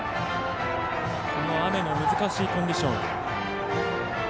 この雨の難しいコンディション。